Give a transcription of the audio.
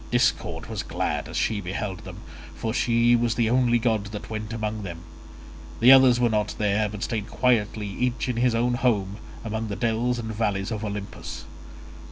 Discord was glad as she beheld them, for she was the only god that went among them; the others were not there, but stayed quietly each in his own home among the dells and valleys of Olympus.